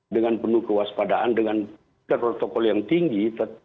dengan penuh kewaspadaan dengan protokol yang tinggi